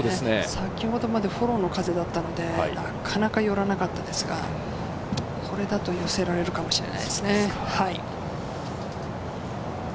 先ほどまでフォローの風だったので、なかなか寄らなかったのですが、これだと寄せられるかもしれないですね。